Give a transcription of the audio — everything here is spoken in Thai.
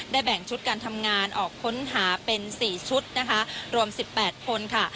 ได้แบ่งชุดการทำงานออกค้นหาเป็นสี่ชุดนะคะรวมสิบแปดคนค่ะ